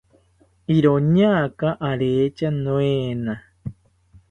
iroñaka aretya noena